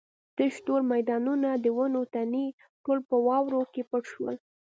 تش تور میدانونه د ونو تنې ټول په واورو کې پټ شول.